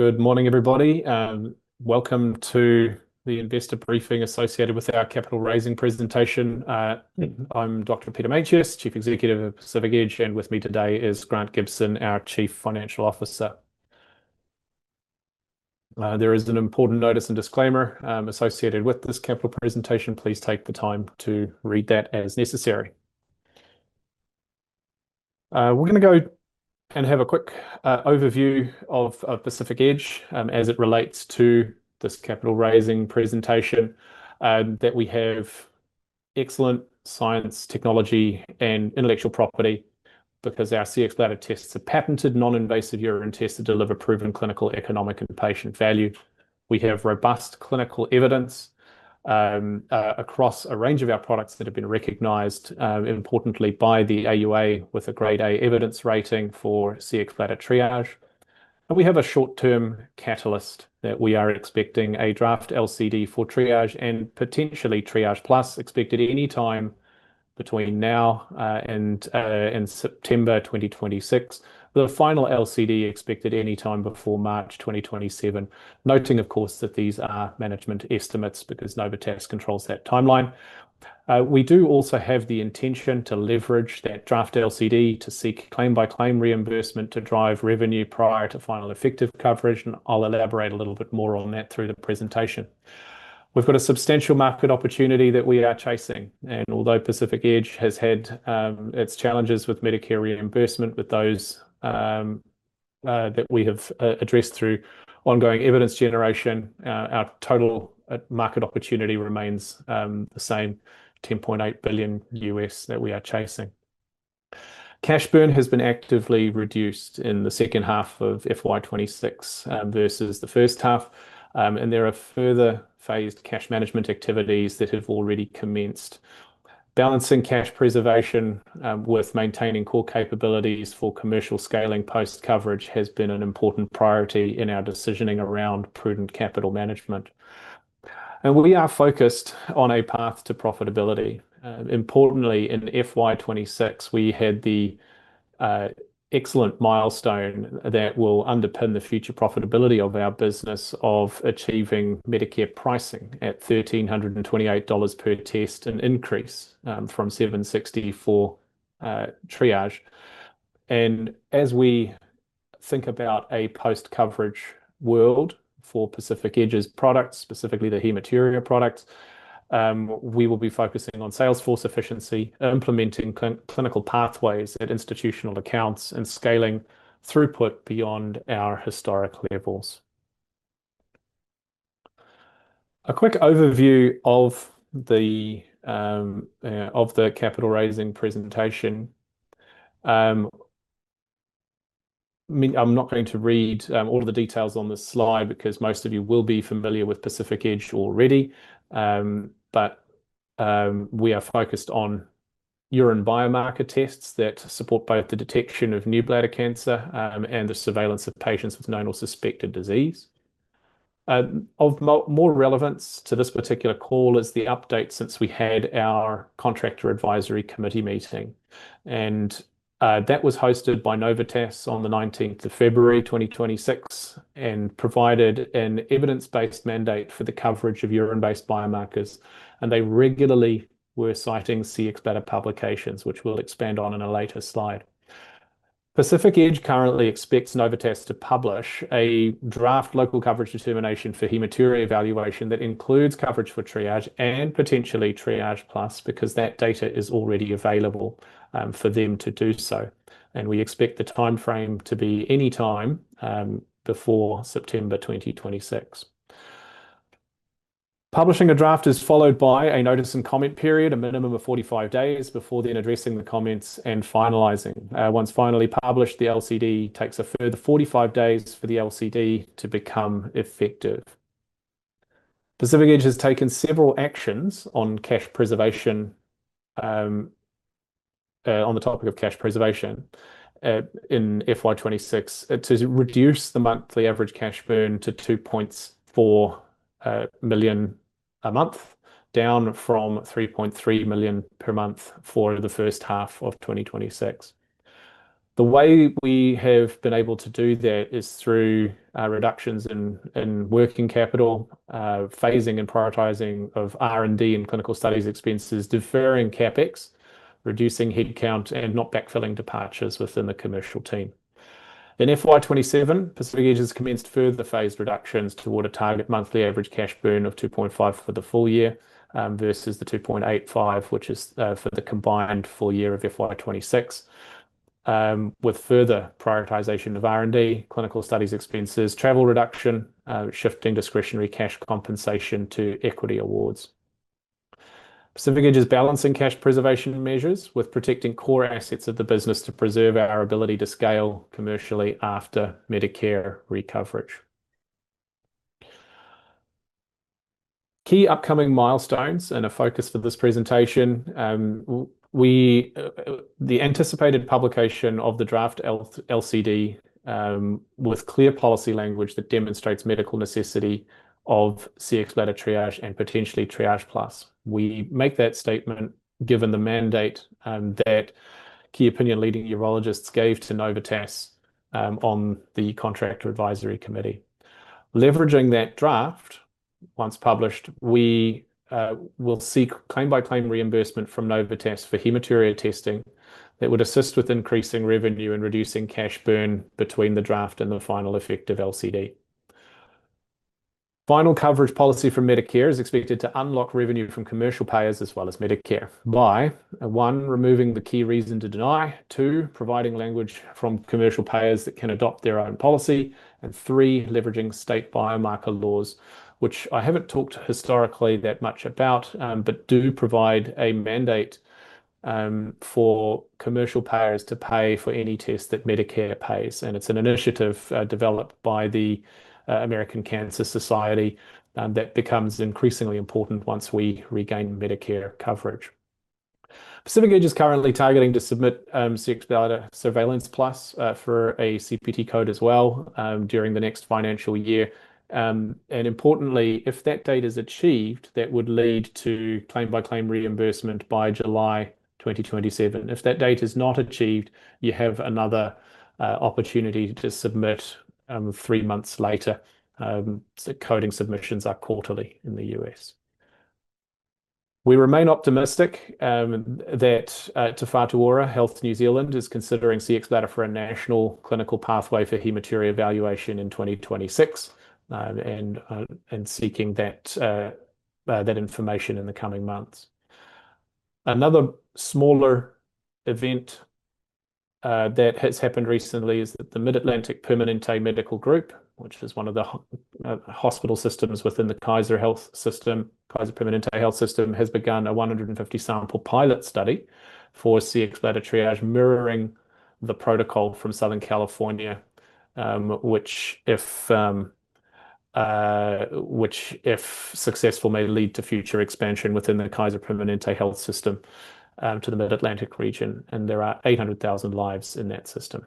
Good morning, everybody. Welcome to the investor briefing associated with our capital raising presentation. I'm Dr. Peter Meintjes, Chief Executive of Pacific Edge, and with me today is Grant Gibson, our Chief Financial Officer. There is an important notice and disclaimer associated with this capital presentation. Please take the time to read that as necessary. We're gonna go and have a quick overview of Pacific Edge as it relates to this capital raising presentation that we have excellent science, technology, and intellectual property because our Cxbladder tests are patented, non-invasive urine tests that deliver proven clinical economic and patient value. We have robust clinical evidence across a range of our products that have been recognized importantly by the AUA with a Grade A evidence rating for Cxbladder Triage. We have a short-term catalyst that we are expecting a draft LCD for Triage and potentially Triage Plus expected any time between now and in September 2026. The final LCD expected any time before March 2027. Noting, of course, that these are management estimates because Novitas controls that timeline. We do also have the intention to leverage that draft LCD to seek claim by claim reimbursement to drive revenue prior to final effective coverage, and I'll elaborate a little bit more on that through the presentation. We've got a substantial market opportunity that we are chasing, and although Pacific Edge has had its challenges with Medicare reimbursement with those that we have addressed through ongoing evidence generation, our total market opportunity remains the same $10.8 billion that we are chasing. Cash burn has been actively reduced in the second half of FY 2026 versus the first half. There are further phased cash management activities that have already commenced. Balancing cash preservation with maintaining core capabilities for commercial scaling post-coverage has been an important priority in our decisioning around prudent capital management. We are focused on a path to profitability. Importantly in FY 2026 we had the excellent milestone that will underpin the future profitability of our business of achieving Medicare pricing at $1,328 per test, an increase from 764 Triage. As we think about a post-coverage world for Pacific Edge's products, specifically the hematuria products, we will be focusing on sales force efficiency, implementing clinical pathways at institutional accounts and scaling throughput beyond our historic levels. A quick overview of the capital raising presentation. I'm not going to read all of the details on this slide because most of you will be familiar with Pacific Edge already. We are focused on urine biomarker tests that support both the detection of new bladder cancer and the surveillance of patients with known or suspected disease. Of more relevance to this particular call is the update since we had our Contractor Advisory Committee meeting, and that was hosted by Novitas Solutions on the 19th of February 2026, and provided an evidence-based mandate for the coverage of urine-based biomarkers, and they regularly were citing Cxbladder publications, which we'll expand on in a later slide. Pacific Edge currently expects Novitas to publish a draft Local Coverage Determination for hematuria evaluation that includes coverage for Cxbladder Triage and potentially Triage Plus, because that data is already available for them to do so. We expect the timeframe to be any time before September 2026. Publishing a draft is followed by a notice and comment period, a minimum of 45 days, before then addressing the comments and finalizing. Once finally published, the LCD takes a further 45 days for the LCD to become effective. Pacific Edge has taken several actions on cash preservation on the topic of cash preservation. In FY 2026, it has reduced the monthly average cash burn to 2.4 million a month, down from 3.3 million per month for the first half of 2026. The way we have been able to do that is through reductions in working capital, phasing and prioritizing of R&D and clinical studies expenses, deferring CapEx, reducing head count, and not backfilling departures within the commercial team. In FY 2027, Pacific Edge has commenced further phased reductions toward a target monthly average cash burn of 2.5 for the full year, versus the 2.85, which is for the combined full year of FY 2026, with further prioritization of R&D, clinical studies expenses, travel reduction, shifting discretionary cash compensation to equity awards. Pacific Edge is balancing cash preservation measures with protecting core assets of the business to preserve our ability to scale commercially after Medicare re-coverage. Key upcoming milestones and a focus for this presentation, the anticipated publication of the draft LCD with clear policy language that demonstrates medical necessity of Cxbladder Triage and potentially Triage Plus. We make that statement given the mandate that key opinion leading urologists gave to Novitas on the Contractor Advisory Committee. Leveraging that draft, once published, we will seek claim-by-claim reimbursement from Novitas for hematuria testing that would assist with increasing revenue and reducing cash burn between the draft and the final effect of LCD. Final coverage policy from Medicare is expected to unlock revenue from commercial payers as well as Medicare by one, removing the key reason to deny, two, providing language from commercial payers that can adopt their own policy, and three, leveraging state biomarker laws, which I haven't talked historically that much about, but do provide a mandate for commercial payers to pay for any test that Medicare pays, and it's an initiative developed by the American Cancer Society that becomes increasingly important once we regain Medicare coverage. Pacific Edge is currently targeting to submit Cxbladder Surveillance Plus for a CPT code as well during the next financial year. Importantly, if that date is achieved, that would lead to claim-by-claim reimbursement by July 2027. If that date is not achieved, you have another opportunity to submit three months later, coding submissions are quarterly in the U.S. We remain optimistic that Te Whatu Ora Health New Zealand is considering Cxbladder for a national clinical pathway for hematuria evaluation in 2026, and seeking that information in the coming months. Another smaller event that has happened recently is that the Mid-Atlantic Permanente Medical Group, which is one of the hospital systems within the Kaiser health system, Kaiser Permanente health system, has begun a 150 sample pilot study for Cxbladder Triage mirroring the protocol from Southern California, which if successful, may lead to future expansion within the Kaiser Permanente health system, to the Mid-Atlantic region, and there are 800,000 lives in that system.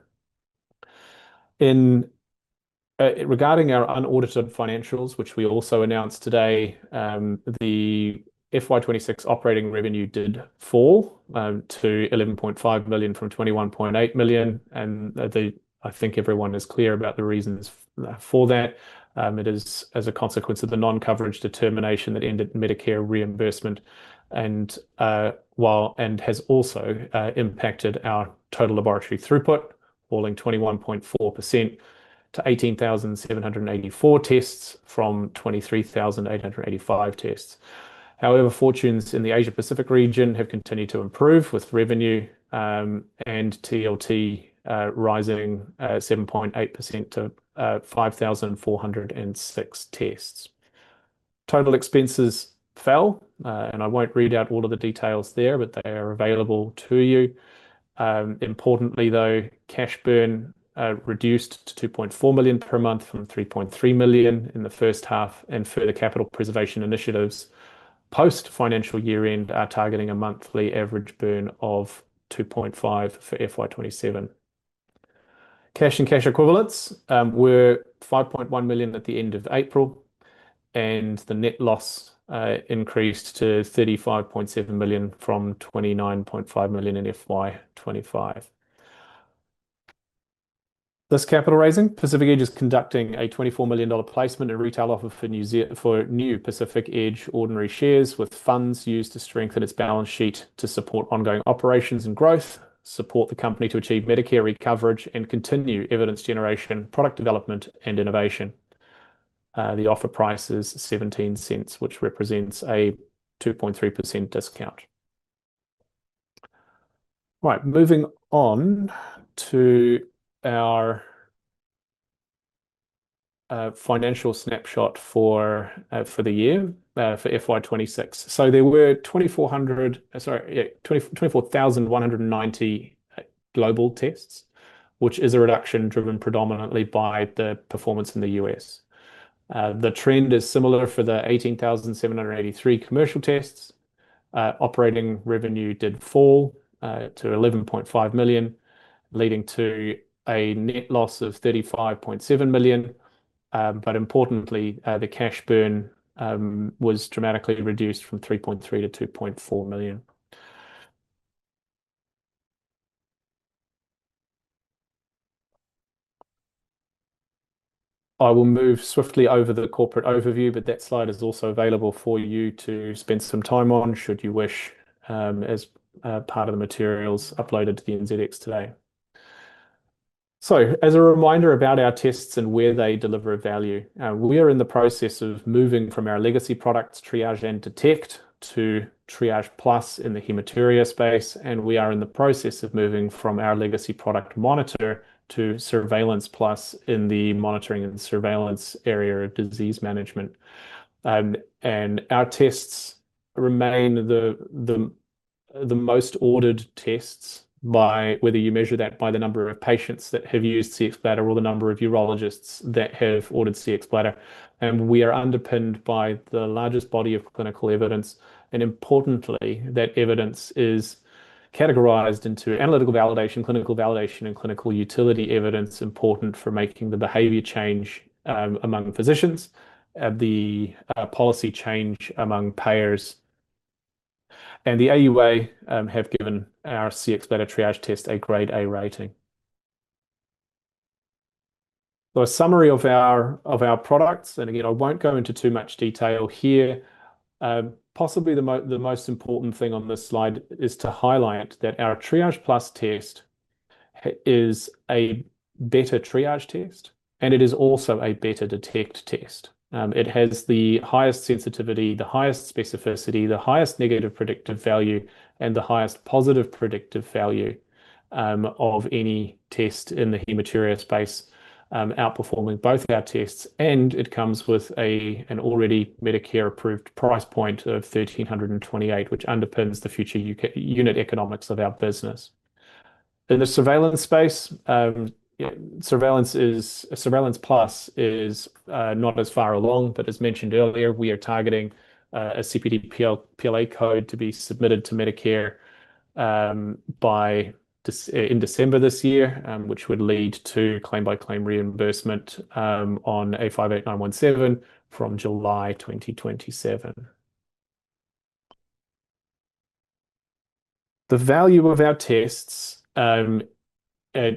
Regarding our unaudited financials, which we also announced today, the FY 2026 operating revenue did fall to 11.5 million from 21.8 million, and the, I think everyone is clear about the reasons for that. It is as a consequence of the non-coverage determination that ended Medicare reimbursement, and has also impacted our total laboratory throughput, falling 21.4% to 18,784 tests from 23,885 tests. However, fortunes in the Asia-Pacific region have continued to improve, with revenue and TLT rising 7.8% to 5,406 tests. Total expenses fell. I won't read out all of the details there, but they are available to you. Importantly though, cash burn reduced to 2.4 million per month from 3.3 million in the first half. Further capital preservation initiatives post financial year-end are targeting a monthly average burn of 2.5 for FY 2027. Cash and cash equivalents were 5.1 million at the end of April. The net loss increased to 35.7 million from 29.5 million in FY 2025. This capital raising, Pacific Edge is conducting a 24 million dollar placement and retail offer for new Pacific Edge ordinary shares with funds used to strengthen its balance sheet to support ongoing operations and growth, support the company to achieve Medicare recovery coverage, and continue evidence generation, product development, and innovation. The offer price is 0.17, which represents a 2.3% discount. Moving on to our financial snapshot for the year for FY 2026. There were 24,190 global tests, which is a reduction driven predominantly by the performance in the U.S. The trend is similar for the 18,783 commercial tests. Operating revenue did fall to 11.5 million, leading to a net loss of 35.7 million. Importantly, the cash burn was dramatically reduced from 3.3 million to 2.4 million. I will move swiftly over the corporate overview, that slide is also available for you to spend some time on should you wish, as part of the materials uploaded to the NZX today. As a reminder about our tests and where they deliver value, we are in the process of moving from our legacy products, Triage and Detect, to Triage Plus in the hematuria space, and we are in the process of moving from our legacy product Monitor to Surveillance Plus in the monitoring and surveillance area of disease management. Our tests remain the most ordered tests by whether you measure that by the number of patients that have used Cxbladder or the number of urologists that have ordered Cxbladder. We are underpinned by the largest body of clinical evidence, and importantly, that evidence is categorized into analytical validation, clinical validation, and clinical utility evidence important for making the behavior change among physicians, the policy change among payers. The AUA have given our Cxbladder Triage test a Grade A rating. A summary of our products, and again, I won't go into too much detail here. Possibly the most important thing on this slide is to highlight that our Triage Plus test is a better triage test, and it is also a better Detect test. It has the highest sensitivity, the highest specificity, the highest negative predictive value, and the highest positive predictive value of any test in the hematuria space, outperforming both our tests, and it comes with an already Medicare-approved price point of $1,328, which underpins the future unit economics of our business. In the surveillance space, Surveillance Plus is not as far along, but as mentioned earlier, we are targeting a CPT PLA code to be submitted to Medicare in December this year, which would lead to claim-by-claim reimbursement on A58917 from July 2027. The value of our tests, we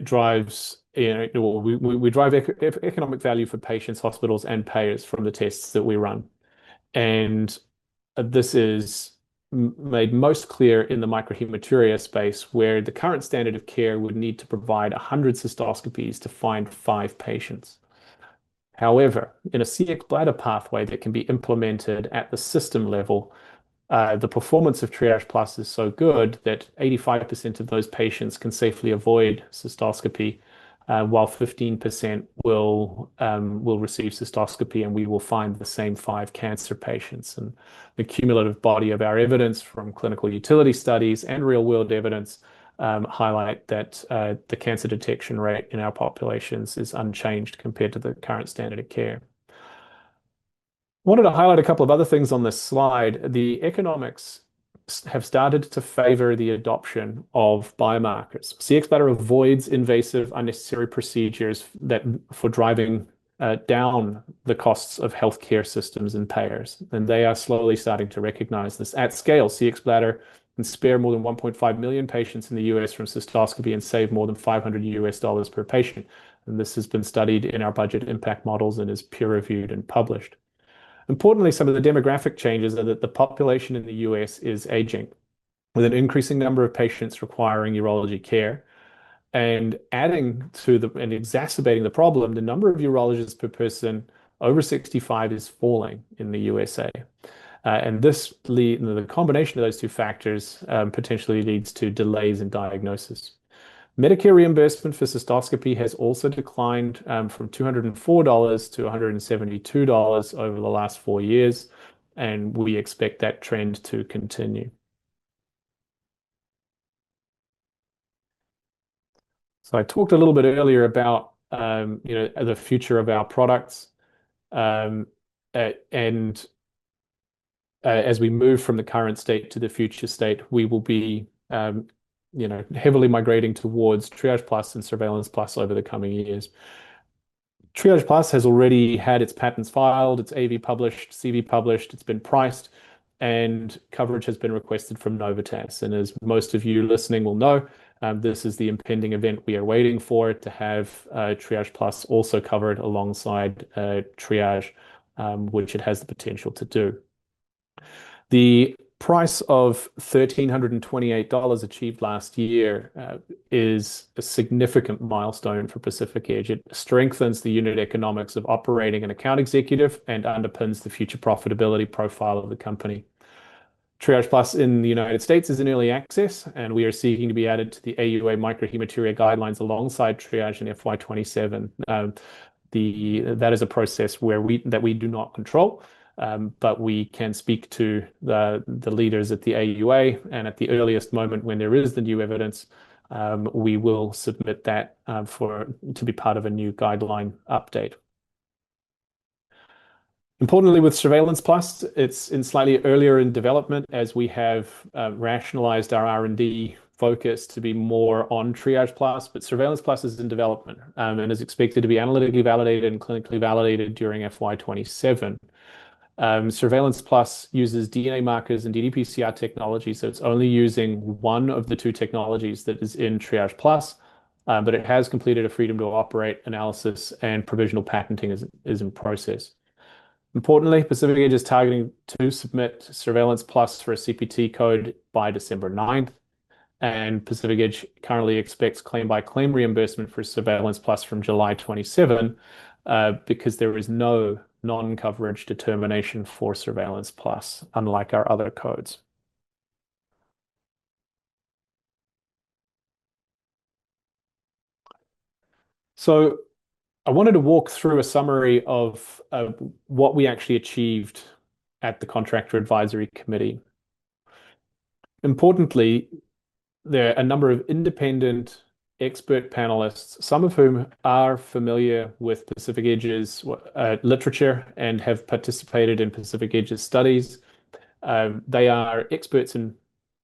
drive economic value for patients, hospitals, and payers from the tests that we run. This is made most clear in the microhematuria space, where the current standard of care would need to provide 100 cystoscopies to find five patients. In a Cxbladder pathway that can be implemented at the system level, the performance of Triage Plus is so good that 85% of those patients can safely avoid cystoscopy, while 15% will receive cystoscopy, and we will find the same five cancer patients. The cumulative body of our evidence from clinical utility studies and real-world evidence highlight that the cancer detection rate in our populations is unchanged compared to the current standard of care. Wanted to highlight a couple of other things on this slide. The economics have started to favor the adoption of biomarkers. Cxbladder avoids invasive, unnecessary procedures for driving down the costs of healthcare systems and payers, and they are slowly starting to recognize this. At scale, Cxbladder can spare more than 1.5 million patients in the U.S. from cystoscopy and save more than $500 per patient. This has been studied in our budget impact models and is peer-reviewed and published. Importantly, some of the demographic changes are that the population in the U.S. is aging, with an increasing number of patients requiring urology care. Exacerbating the problem, the number of urologists per person over 65 is falling in the USA The combination of those two factors potentially leads to delays in diagnosis. Medicare reimbursement for cystoscopy has also declined from $204-$172 over the last four years. We expect that trend to continue. I talked a little bit earlier about, you know, the future of our products. As we move from the current state to the future state, we will be, you know, heavily migrating towards Triage Plus and Surveillance Plus over the coming years. Triage Plus has already had its patents filed, it's AV published, CV published, it's been priced, and coverage has been requested from Novitas Solutions. As most of you listening will know, this is the impending event we are waiting for to have Triage Plus also covered alongside Triage, which it has the potential to do. The price of 1,328 dollars achieved last year is a significant milestone for Pacific Edge. It strengthens the unit economics of operating an account executive and underpins the future profitability profile of the company. Triage Plus in the U.S. is in early access. We are seeking to be added to the AUA microhematuria guidelines alongside Cxbladder Triage in FY 2027. That is a process that we do not control. We can speak to the leaders at the AUA. At the earliest moment when there is new evidence, we will submit that to be part of a new guideline update. Importantly, with Surveillance Plus, it's slightly earlier in development as we have rationalized our R&D focus to be more on Triage Plus. Surveillance Plus is in development. It is expected to be analytically validated and clinically validated during FY 2027. Surveillance Plus uses DNA markers and ddPCR technology. It's only using one of the two technologies that is in Triage Plus. It has completed a freedom to operate analysis, and provisional patenting is in process. Importantly, Pacific Edge is targeting to submit Surveillance Plus for a CPT code by December 9th, and Pacific Edge currently expects claim-by-claim reimbursement for Surveillance Plus from July 2027 because there is no non-coverage determination for Surveillance Plus, unlike our other codes. I wanted to walk through a summary of what we actually achieved at the Contractor Advisory Committee. Importantly, there are a number of independent expert panelists, some of whom are familiar with Pacific Edge's literature and have participated in Pacific Edge's studies. They are experts in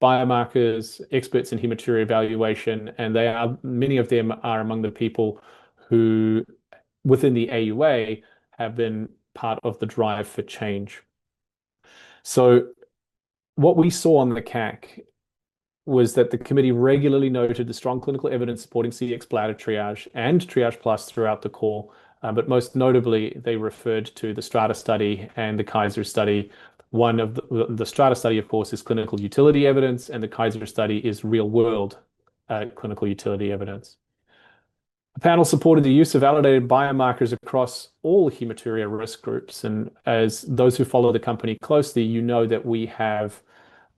biomarkers, experts in hematuria evaluation, and many of them are among the people who, within the AUA, have been part of the drive for change. What we saw on the CAC was that the committee regularly noted the strong clinical evidence supporting Cxbladder Triage and Triage Plus throughout the call, but most notably, they referred to the STRATA study and the Kaiser study. The STRATA study, of course, is clinical utility evidence, and the Kaiser study is real-world clinical utility evidence. The panel supported the use of validated biomarkers across all hematuria risk groups, and as those who follow the company closely, you know that we have,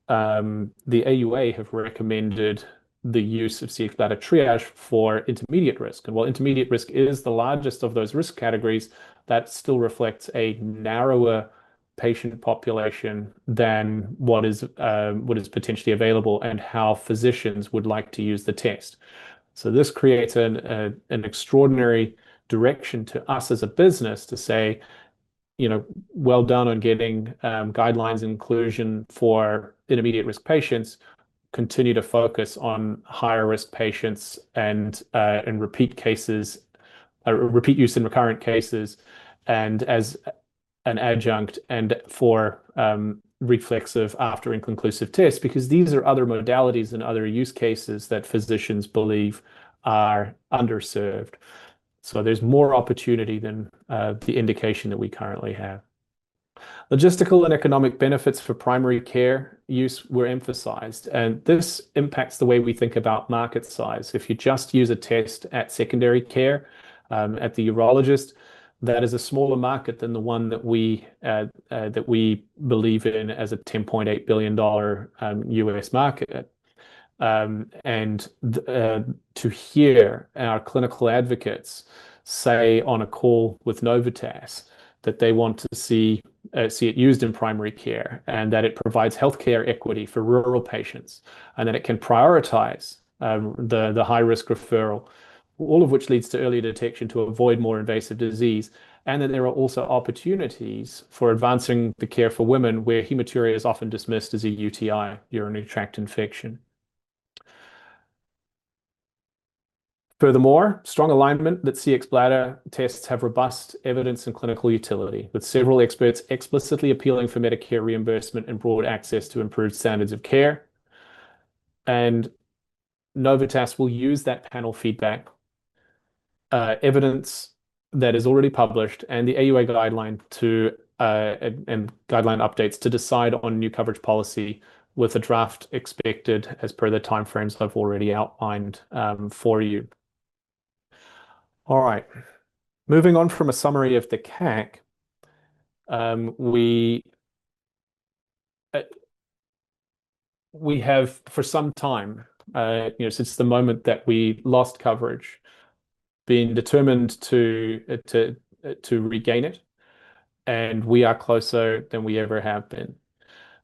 the AUA have recommended the use of Cxbladder Triage for intermediate risk. While intermediate risk is the largest of those risk categories, that still reflects a narrower patient population than what is potentially available and how physicians would like to use the test. This creates an extraordinary direction to us as a business to say, you know, "Well done on getting guidelines and inclusion for intermediate risk patients. Continue to focus on higher risk patients and repeat cases, repeat use in recurrent cases and as an adjunct and for reflexive after inconclusive tests," because these are other modalities and other use cases that physicians believe are underserved. There's more opportunity than the indication that we currently have. Logistical and economic benefits for primary care use were emphasized, and this impacts the way we think about market size. If you just use a test at secondary care, at the urologist, that is a smaller market than the one that we believe in as a $10.8 billion U.S. market. To hear our clinical advocates say on a call with Novitas that they want to see it used in primary care and that it provides healthcare equity for rural patients and that it can prioritize the high-risk referral, all of which leads to earlier detection to avoid more invasive disease. There are also opportunities for advancing the care for women where hematuria is often dismissed as a UTI, urinary tract infection. Furthermore, strong alignment that Cxbladder tests have robust evidence and clinical utility, with several experts explicitly appealing for Medicare reimbursement and broad access to improved standards of care. Novitas will use that panel feedback, evidence that is already published and the AUA guideline and guideline updates to decide on new coverage policy with a draft expected as per the timeframes I've already outlined for you. All right. Moving on from a summary of the CAC. We have for some time, you know, since the moment that we lost coverage, been determined to regain it, and we are closer than we ever have been.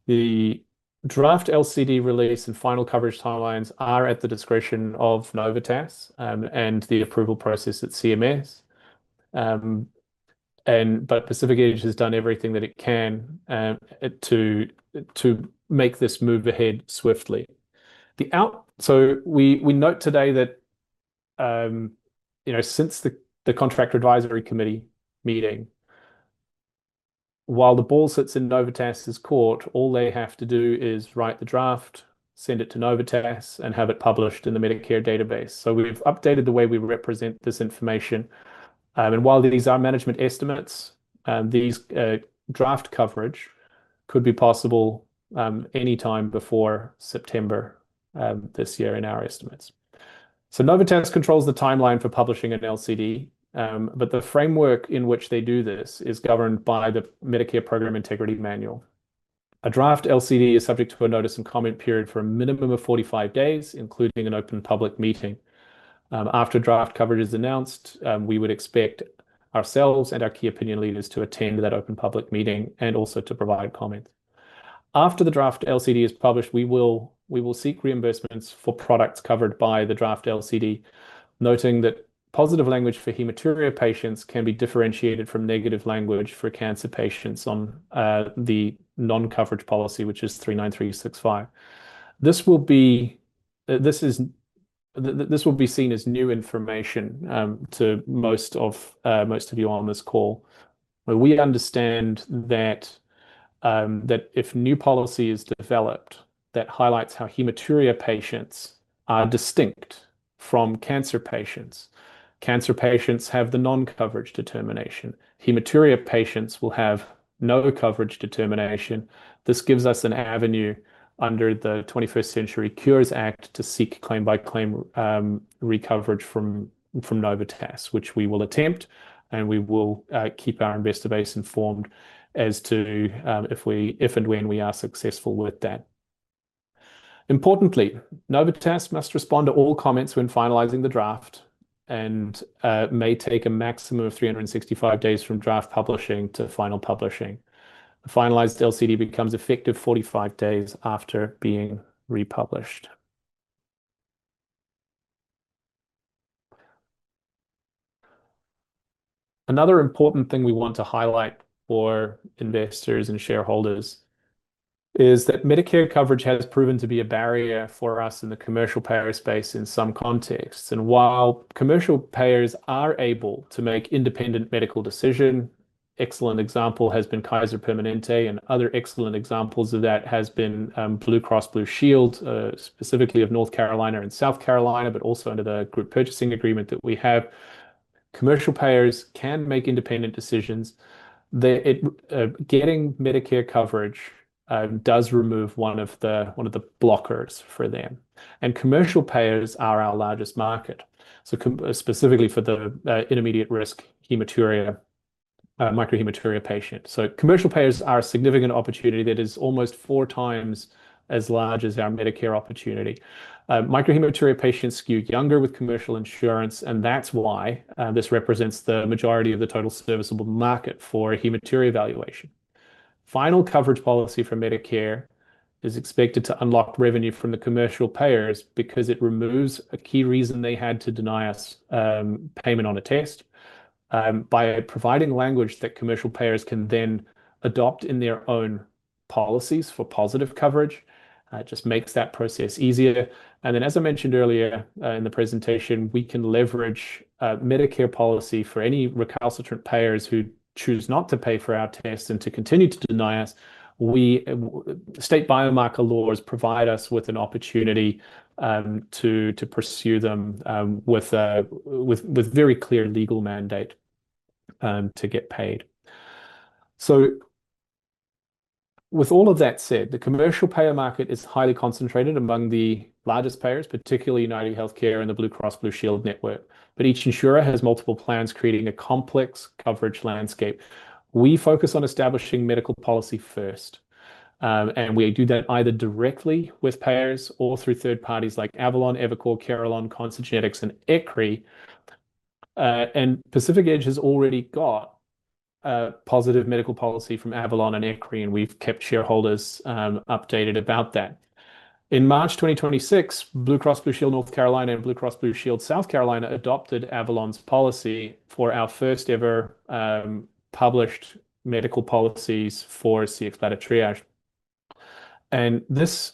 The draft LCD release and final coverage timelines are at the discretion of Novitas, and the approval process at CMS. But Pacific Edge has done everything that it can to make this move ahead swiftly. We note today that, you know, since the Contractor Advisory Committee meeting, while the ball sits in Novitas' court, all they have to do is write the draft, send it to Novitas, and have it published in the Medicare database. We've updated the way we represent this information. While these are management estimates, these draft coverage could be possible any time before September this year in our estimates. Novitas controls the timeline for publishing an LCD, but the framework in which they do this is governed by the Medicare Program Integrity Manual. A draft LCD is subject to a notice and comment period for a minimum of 45 days, including an open public meeting. After draft coverage is announced, we would expect ourselves and our key opinion leaders to attend that open public meeting and also to provide comments. After the draft LCD is published, we will seek reimbursements for products covered by the draft LCD, noting that positive language for hematuria patients can be differentiated from negative language for cancer patients on the non-coverage policy, which is L39365. This will be seen as new information to most of you on this call. We understand that if new policy is developed that highlights how hematuria patients are distinct from cancer patients, cancer patients have the non-coverage determination. Hematuria patients will have no coverage determination. This gives us an avenue under the 21st Century Cures Act to seek claim-by-claim, re-coverage from Novitas, which we will attempt, and we will, keep our investor base informed as to, if we, if and when we are successful with that. Importantly, Novitas must respond to all comments when finalizing the draft and, may take a maximum of 365 days from draft publishing to final publishing. The finalized LCD becomes effective 45 days after being republished. Another important thing we want to highlight for investors and shareholders is that Medicare coverage has proven to be a barrier for us in the commercial payer space in some contexts. While commercial payers are able to make independent medical decision, excellent example has been Kaiser Permanente, and other excellent examples of that has been Blue Cross Blue Shield, specifically of North Carolina and South Carolina, but also under the group purchasing agreement that we have. Commercial payers can make independent decisions. Getting Medicare coverage does remove one of the blockers for them. Commercial payers are our largest market, specifically for the intermediate risk hematuria microhematuria patients. Commercial payers are a significant opportunity that is almost 4x as large as our Medicare opportunity. Microhematuria patients skew younger with commercial insurance, and that's why this represents the majority of the total serviceable market for hematuria evaluation. Final coverage policy for Medicare is expected to unlock revenue from the commercial payers because it removes a key reason they had to deny us payment on a test. By providing language that commercial payers can then adopt in their own policies for positive coverage, just makes that process easier. As I mentioned earlier, in the presentation, we can leverage Medicare policy for any recalcitrant payers who choose not to pay for our tests and to continue to deny us. State biomarker laws provide us with an opportunity to pursue them with a very clear legal mandate to get paid. With all of that said, the commercial payer market is highly concentrated among the largest payers, particularly UnitedHealthcare and the Blue Cross Blue Shield network. Each insurer has multiple plans, creating a complex coverage landscape. We focus on establishing medical policy first. We do that either directly with payers or through third parties like Avalon, EviCore, Carelon, Concert Genetics and ECRI. Pacific Edge has already got a positive medical policy from Avalon and ECRI, and we've kept shareholders updated about that. In March 2026, Blue Cross and Blue Shield of North Carolina and BlueCross BlueShield of South Carolina adopted Avalon's policy for our first ever published medical policies for Cxbladder Triage. This,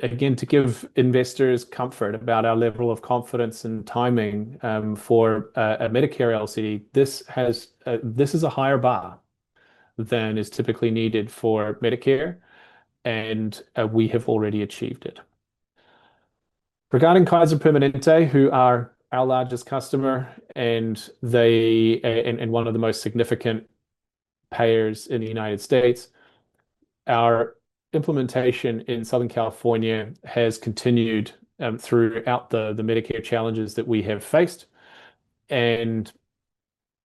again, to give investors comfort about our level of confidence and timing, for a Medicare LCD, this has, this is a higher bar than is typically needed for Medicare, and we have already achieved it. Regarding Kaiser Permanente, who are our largest customer, and one of the most significant payers in the United States, our implementation in Southern California has continued throughout the Medicare challenges that we have faced. There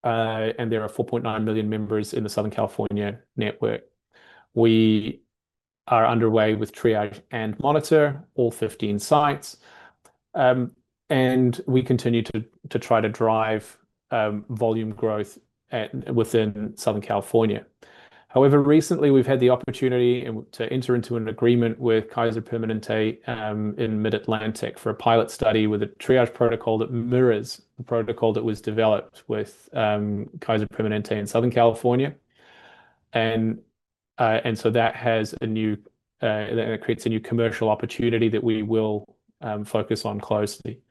are 4.9 million members in the Southern California network. We are underway with Triage and Monitor, all 15 sites. We continue to try to drive volume growth within Southern California. However, recently we've had the opportunity to enter into an agreement with Kaiser Permanente in Mid-Atlantic for a pilot study with a Triage protocol that mirrors the protocol that was developed with Kaiser Permanente in Southern California. That creates a new commercial opportunity that we will focus on closely.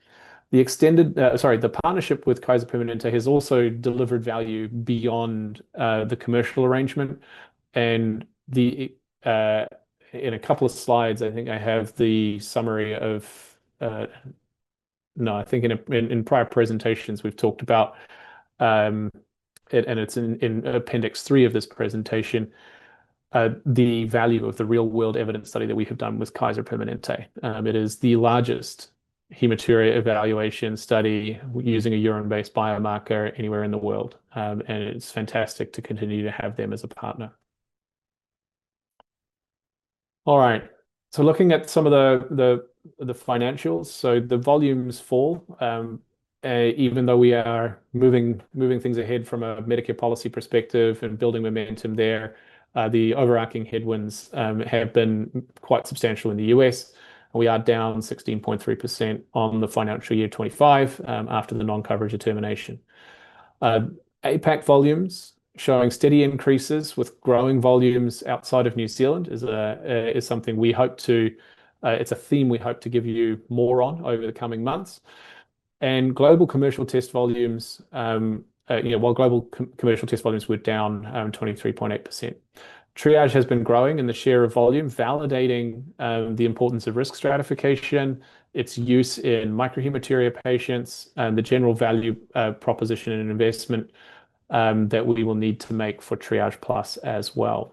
The extended, sorry, the partnership with Kaiser Permanente has also delivered value beyond the commercial arrangement. No, I think in prior presentations we've talked about it, and it's in appendix three of this presentation, the value of the real world evidence study that we have done with Kaiser Permanente. It is the largest hematuria evaluation study using a urine-based biomarker anywhere in the world. It's fantastic to continue to have them as a partner. All right. Looking at some of the financials. The volumes fall, even though we are moving things ahead from a Medicare policy perspective and building momentum there, the overarching headwinds have been quite substantial in the U.S., and we are down 16.3% on the FY 2025 after the non-coverage determination. APAC volumes showing steady increases with growing volumes outside of New Zealand is something we hope to, it's a theme we hope to give you more on over the coming months. Global commercial test volumes, you know, while global commercial test volumes were down, 23.8%. Triage has been growing in the share of volume, validating the importance of risk stratification, its use in microhematuria patients, and the general value proposition and investment that we will need to make for Triage Plus as well.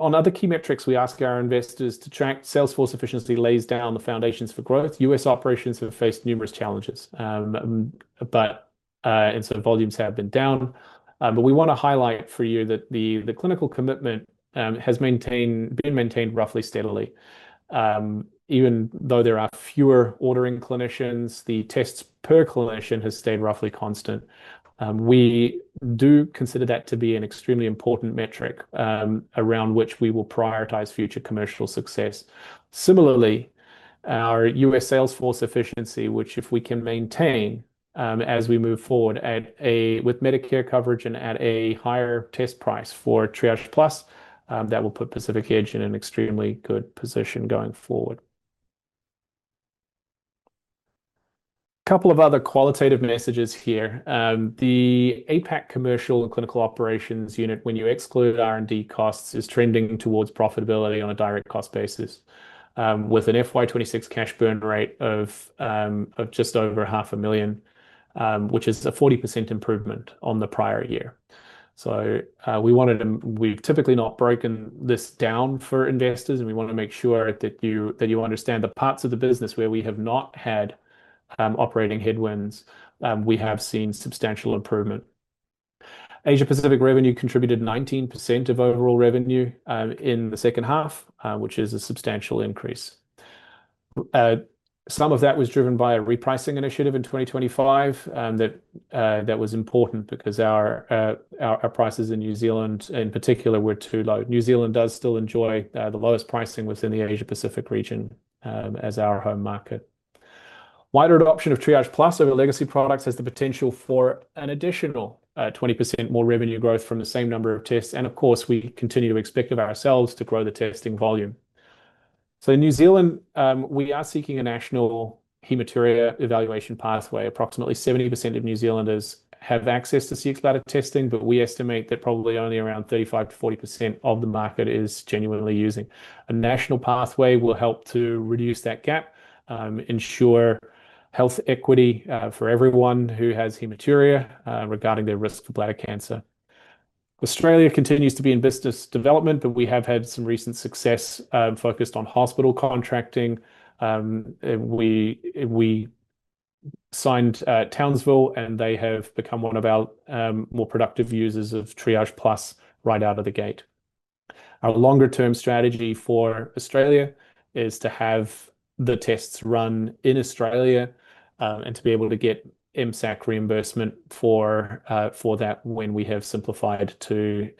On other key metrics we ask our investors to track, sales force efficiency lays down the foundations for growth. U.S. operations have faced numerous challenges. Volumes have been down. We wanna highlight for you that the clinical commitment has been maintained roughly steadily. Even though there are fewer ordering clinicians, the tests per clinician has stayed roughly constant. We do consider that to be an extremely important metric around which we will prioritize future commercial success. Similarly, our U.S. sales force efficiency, which if we can maintain as we move forward with Medicare coverage and at a higher test price for Triage Plus, that will put Pacific Edge in an extremely good position going forward. Couple of other qualitative messages here. The APAC commercial and clinical operations unit, when you exclude R&D costs, is trending towards profitability on a direct cost basis, with an FY 2026 cash burn rate of just over 500,000, which is a 40% improvement on the prior year. We've typically not broken this down for investors, and we want to make sure that you understand the parts of the business where we have not had operating headwinds. We have seen substantial improvement. Asia Pacific revenue contributed 19% of overall revenue in the second half, which is a substantial increase. Some of that was driven by a repricing initiative in 2025 that was important because our prices in New Zealand in particular were too low. New Zealand does still enjoy the lowest pricing within the Asia Pacific region as our home market. Wider adoption of Triage Plus over legacy products has the potential for an additional 20% more revenue growth from the same number of tests. Of course, we continue to expect of ourselves to grow the testing volume. In New Zealand, we are seeking a national hematuria evaluation pathway. Approximately 70% of New Zealanders have access to Cxbladder testing, but we estimate that probably only around 35%-40% of the market is genuinely using. A national pathway will help to reduce that gap, ensure health equity for everyone who has hematuria regarding their risk of bladder cancer. Australia continues to be in business development, but we have had some recent success focused on hospital contracting. We signed Townsville, and they have become one of our more productive users of Triage Plus right out of the gate. Our longer-term strategy for Australia is to have the tests run in Australia, and to be able to get MSAC reimbursement for that when we have simplified to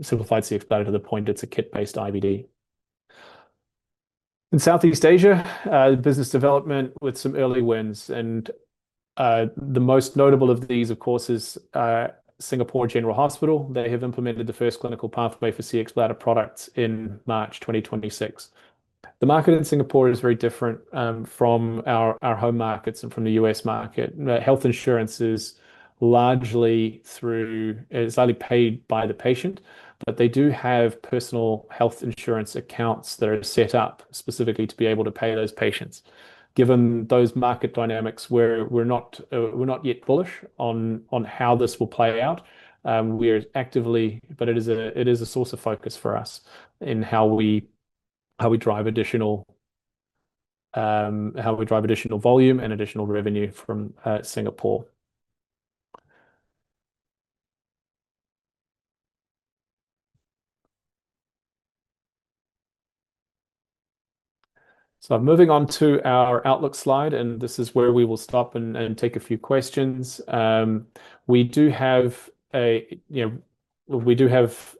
simplified Cxbladder to the point it's a kit-based IVD. In Southeast Asia, business development with some early wins and the most notable of these, of course, is Singapore General Hospital. They have implemented the first clinical pathway for Cxbladder products in March 2026. The market in Singapore is very different from our home markets and from the U.S. market. Health insurance is largely paid by the patient, but they do have personal health insurance accounts that are set up specifically to be able to pay those patients. Given those market dynamics, we're not yet bullish on how this will play out. It is a source of focus for us in how we drive additional volume and additional revenue from Singapore. Moving on to our outlook slide, this is where we will stop and take a few questions. We do have a, you know, we do have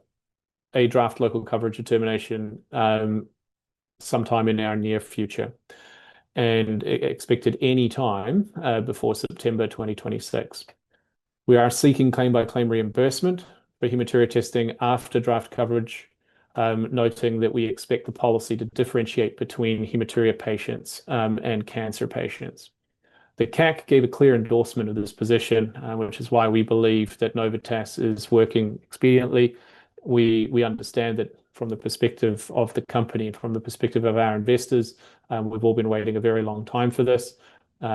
a draft Local Coverage Determination sometime in our near future, and expected any time before September 2026. We are seeking claim-by-claim reimbursement for hematuria testing after draft coverage, noting that we expect the policy to differentiate between hematuria patients and cancer patients. The CAC gave a clear endorsement of this position, which is why we believe that Novitas is working expediently. We understand that from the perspective of the company and from the perspective of our investors, we've all been waiting a very long time for this. We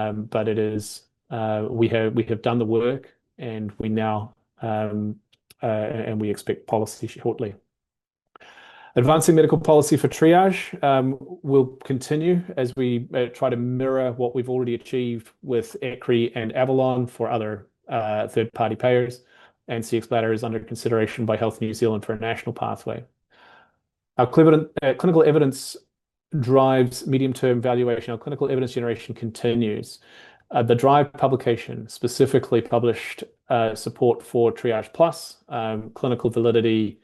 have done the work, and we expect policy shortly. Advancing medical policy for Triage will continue as we try to mirror what we've already achieved with ECRI and Avalon for other third-party payers. Cxbladder is under consideration by Health New Zealand for a national pathway. Our clinical evidence drives medium-term valuation. Our clinical evidence generation continues. The DRIVE publication specifically published support for Triage Plus clinical validity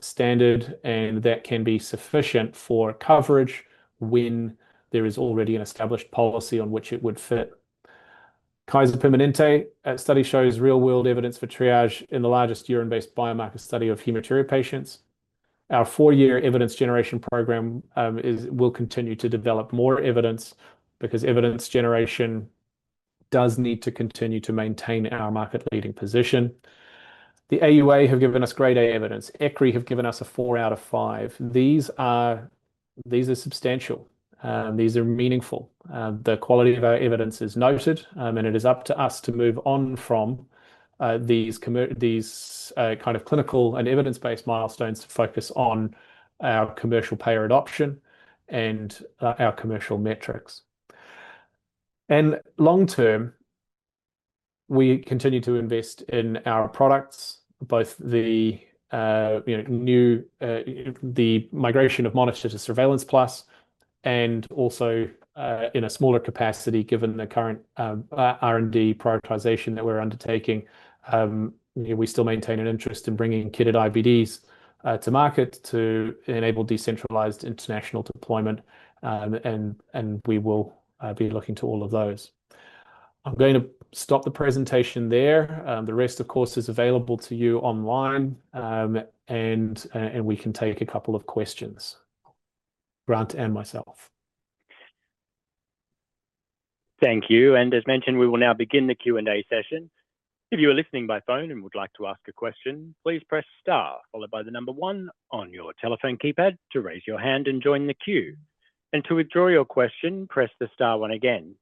standard, and that can be sufficient for coverage when there is already an established policy on which it would fit. Kaiser Permanente study shows real-world evidence for Triage in the largest urine-based biomarker study of hematuria patients. Our four-year evidence generation program will continue to develop more evidence because evidence generation does need to continue to maintain our market-leading position. The AUA have given us Grade A evidence. ECRI have given us a four out of five. These are substantial. These are meaningful. The quality of our evidence is noted, and it is up to us to move on from these kind of clinical and evidence-based milestones to focus on our commercial payer adoption and our commercial metrics. Long term, we continue to invest in our products, both the, you know, new, the migration of Monitor to Surveillance Plus and also, in a smaller capacity, given the current R&D prioritization that we're undertaking. You know, we still maintain an interest in bringing kitted IVDs to market to enable decentralized international deployment. We will be looking to all of those. I'm going to stop the presentation there. The rest, of course, is available to you online. We can take a couple of questions, Grant and myself. Thank you. As mentioned, we will now begin the Q&A session. If you are listening by phone and would like to ask a question, please press star followed by the number one on your telephone keypad to raise your hand and join the queue. To withdraw your question, press the star one again.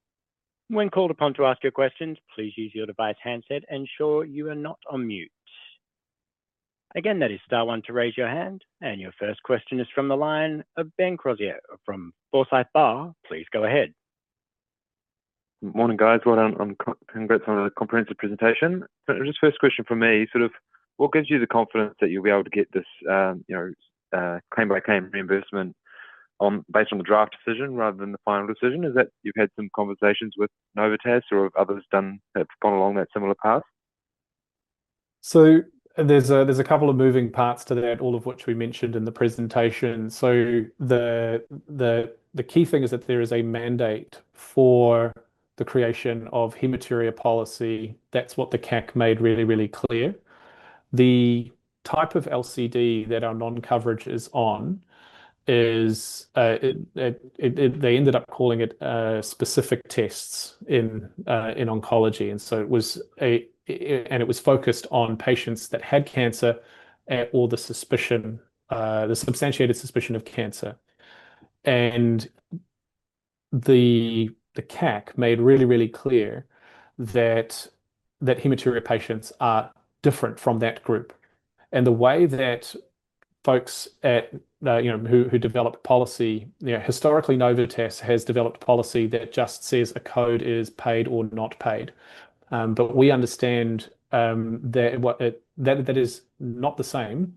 When called upon to ask your questions, please use your device handset, ensure you are not on mute. Again, that is star one to raise your hand. Your first question is from the line of Ben Crozier from Forsyth Barr. Please go ahead. Morning, guys. Well done on congrats on a comprehensive presentation. Just first question from me, sort of what gives you the confidence that you'll be able to get this, you know, claim-by-claim reimbursement on, based on the draft decision rather than the final decision? Is it you've had some conversations with Novitas or have others gone along that similar path? There's a couple of moving parts to that, all of which we mentioned in the presentation. The key thing is that there is a mandate for the creation of hematuria policy. That's what the CAC made really clear. The type of LCD that our non-coverage is on is they ended up calling it specific tests in oncology. It was focused on patients that had cancer or the suspicion, the substantiated suspicion of cancer. The CAC made really clear that hematuria patients are different from that group. The way that folks at, you know, who develop policy, you know, historically Novitas has developed policy that just says a code is paid or not paid. We understand that what, that is not the same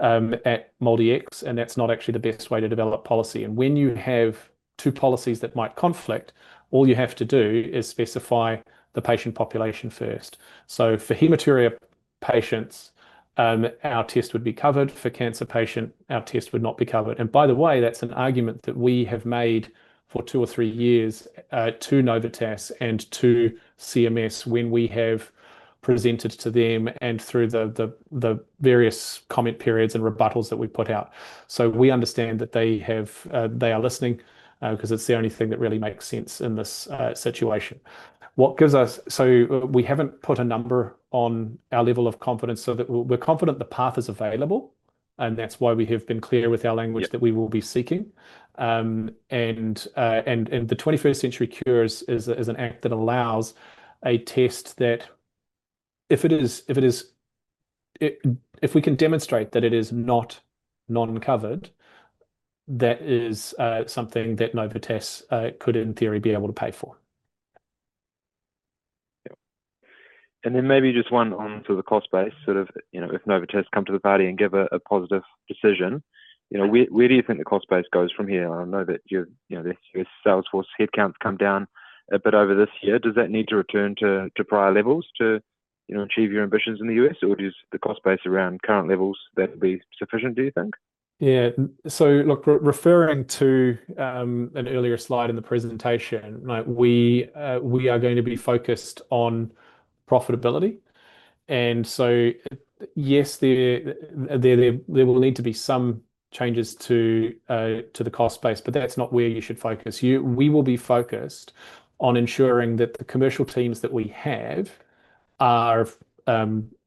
at MolDX, and that's not actually the best way to develop policy. When you have two policies that might conflict, all you have to do is specify the patient population first. For hematuria patients, our test would be covered. For cancer patient, our test would not be covered. By the way, that's an argument that we have made for two or three years to Novitas and to CMS when we have presented to them and through the, the various comment periods and rebuttals that we put out. We understand that they have, they are listening, 'cause it's the only thing that really makes sense in this situation. We haven't put a number on our level of confidence so that we're confident the path is available, and that's why we have been clear with our language. Yeah That we will be seeking. The 21st Century Cures is an act that allows a test that if we can demonstrate that it is not non-covered, that is something that Novitas could in theory be able to pay for. Yeah. Then maybe just one onto the cost base, sort of, you know, if Novitas come to the party and give a positive decision, you know, where do you think the cost base goes from here? I know that your, you know, your sales force headcounts come down a bit over this year. Does that need to return to prior levels to, you know, achieve your ambitions in the U.S., or does the cost base around current levels, that'll be sufficient, do you think? Yeah. Look, referring to an earlier slide in the presentation, like we are going to be focused on profitability. Yes, there will need to be some changes to the cost base, but that's not where you should focus. We will be focused on ensuring that the commercial teams that we have are,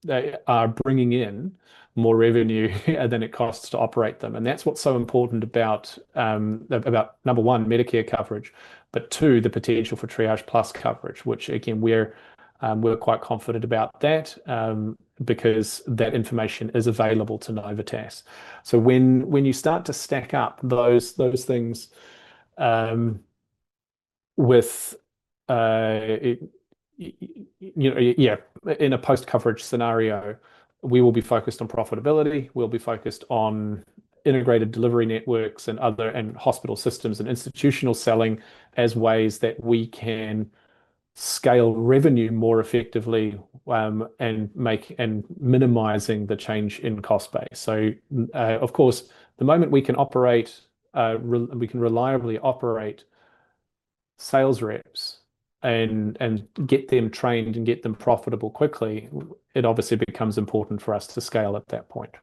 they are bringing in more revenue than it costs to operate them, and that's what's so important about, number one, Medicare coverage, but two, the potential for Triage Plus coverage, which again, we're quite confident about that, because that information is available to Novitas. When you start to stack up those things, with, you know, yeah, in a post-coverage scenario, we will be focused on profitability. We'll be focused on integrated delivery networks and hospital systems and institutional selling as ways that we can scale revenue more effectively, minimizing the change in cost base. Of course, the moment we can reliably operate sales reps and get them trained and get them profitable quickly, it obviously becomes important for us to scale at that point.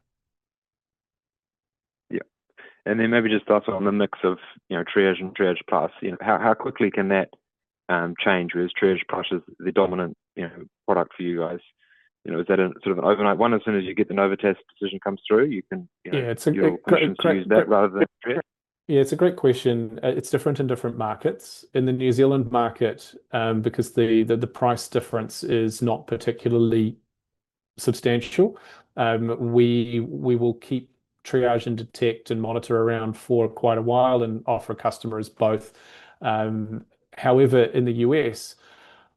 Yeah. Maybe just lastly on the mix of, you know, Triage and Triage Plus, you know, how quickly can that change with Triage Plus as the dominant, you know, product for you guys? You know, is that a sort of an overnight one as soon as you get the Novitas decision comes through, you can, you know? Yeah, it's a great. You're going to choose that rather than Triage? Yeah, it's a great question. It's different in different markets. In the New Zealand market, because the price difference is not particularly substantial, we will keep Triage and Detect and Monitor around for quite a while and offer customers both. In the U.S.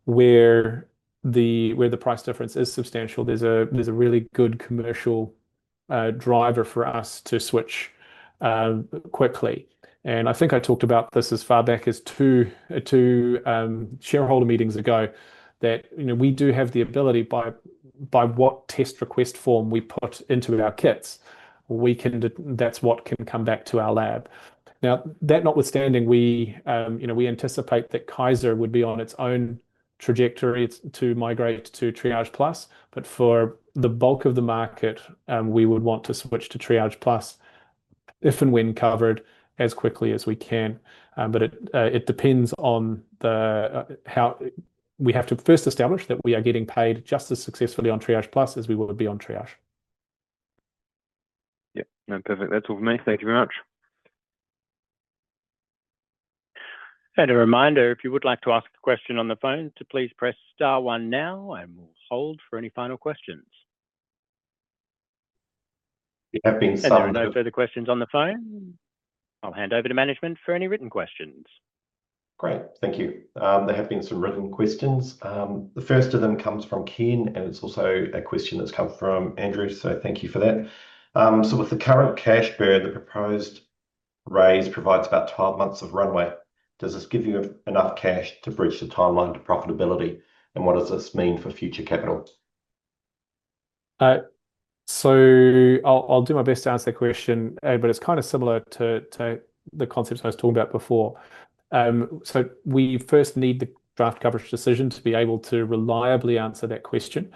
where the price difference is substantial, there's a really good commercial driver for us to switch quickly. I think I talked about this as far back as two shareholder meetings ago, that, you know, we do have the ability By what test request form we put into our kits, that's what can come back to our lab. That notwithstanding, we, you know, we anticipate that Kaiser would be on its own trajectory to migrate to Triage Plus, but for the bulk of the market, we would want to switch to Triage Plus if and when covered as quickly as we can. We have to first establish that we are getting paid just as successfully on Triage Plus as we would be on Triage. Yeah. No, perfect. That's all from me. Thank you very much. A reminder, if you would like to ask a question on the phone to please press star one now, and we'll hold for any final questions. There have been. There are no further questions on the phone. I'll hand over to management for any written questions. Great. Thank you. There have been some written questions. The first of them comes from Ken. It's also a question that's come from Andrew, so thank you for that. With the current cash burn, the proposed raise provides about 12 months of runway. Does this give you enough cash to bridge the timeline to profitability? What does this mean for future capital? I'll do my best to answer that question, but it's kind of similar to the concepts I was talking about before. We first need the draft coverage decision to be able to reliably answer that question.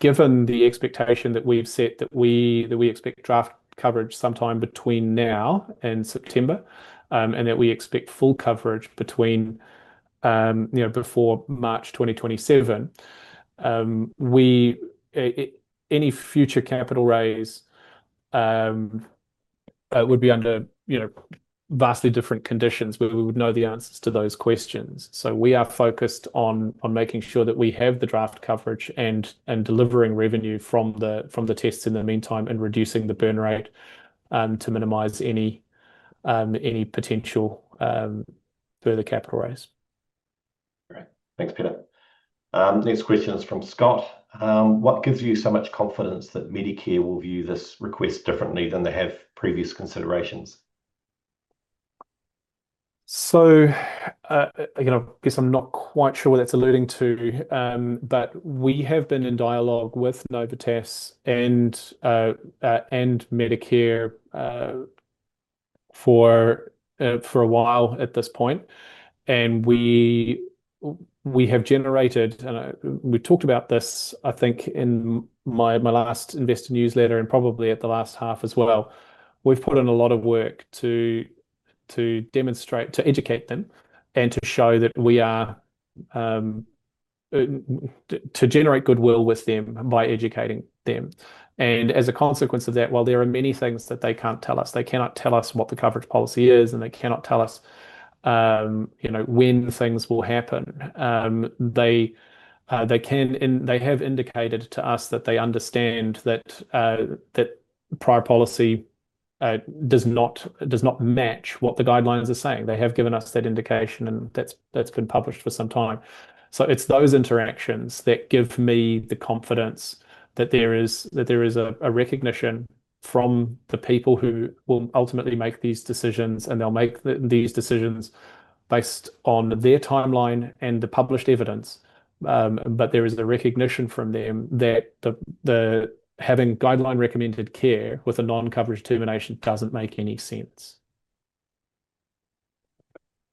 Given the expectation that we've set that we expect draft coverage sometime between now and September, and that we expect full coverage between, you know, before March 2027, any future capital raise would be under, you know, vastly different conditions where we would know the answers to those questions. We are focused on making sure that we have the draft coverage and delivering revenue from the tests in the meantime and reducing the burn rate to minimize any potential further capital raise. Great. Thanks, Peter. Next question is from Scott. What gives you so much confidence that Medicare will view this request differently than they have previous considerations? Again, I guess I'm not quite sure what that's alluding to. But we have been in dialogue with Novitas and Medicare for a while at this point, and we have generated. We talked about this, I think, in my last investor newsletter and probably at the last half as well. We've put in a lot of work to demonstrate, to educate them and to show that we are to generate goodwill with them by educating them. As a consequence of that, while there are many things that they can't tell us, they cannot tell us what the coverage policy is, and they cannot tell us, you know, when things will happen, they can, and they have indicated to us that they understand that prior policy does not match what the guidelines are saying. They have given us that indication, and that's been published for some time. It's those interactions that give me the confidence that there is a recognition from the people who will ultimately make these decisions, and they'll make these decisions based on their timeline and the published evidence. There is the recognition from them that the having guideline-recommended care with a non-coverage determination doesn't make any sense.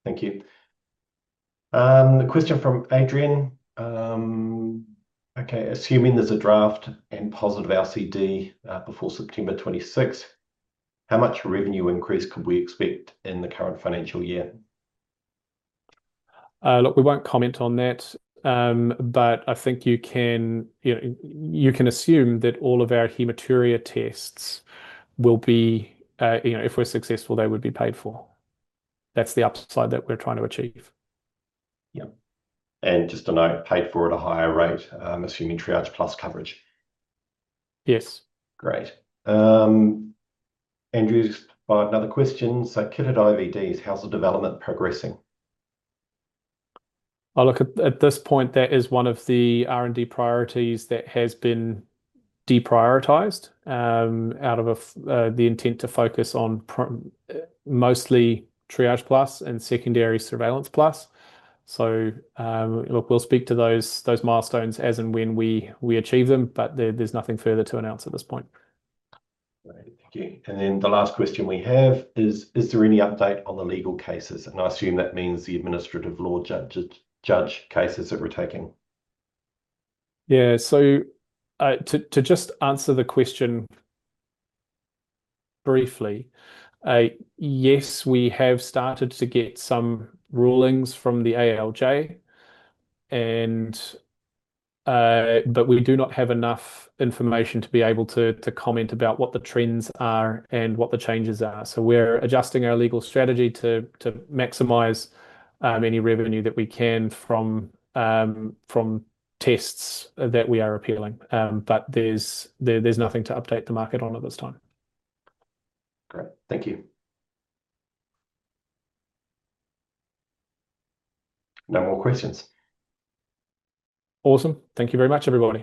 Thank you. A question from Adrian. Okay, assuming there's a draft and positive LCD before September 2026, how much revenue increase could we expect in the current financial year? Look, we won't comment on that. I think you can, you know, you can assume that all of our hematuria tests will be, you know, if we're successful, they would be paid for. That's the upside that we're trying to achieve. Yeah. Just a note, paid for at a higher rate, assuming Triage Plus coverage. Yes. Great. Andrew's bought another question. Kitted IVD, how's the development progressing? Look, at this point, that is one of the R&D priorities that has been deprioritized out of the intent to focus on mostly Triage Plus and Cxbladder Surveillance Plus. Look, we'll speak to those milestones as and when we achieve them, but there's nothing further to announce at this point. Right. Thank you. The last question we have is there any update on the legal cases? I assume that means the administrative law judge cases that we're taking. Yeah. To just answer the question briefly, yes, we have started to get some rulings from the ALJ and, but we do not have enough information to be able to comment about what the trends are and what the changes are. We're adjusting our legal strategy to maximize any revenue that we can from from tests that we are appealing. There's nothing to update the market on at this time. Great. Thank you. No more questions. Awesome. Thank you very much, everyone.